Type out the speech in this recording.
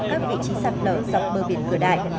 các vị trí sạc nở dọc bờ biển cửa đại